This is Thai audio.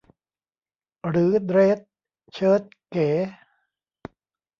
หรือเดรสเชิ้ตเก๋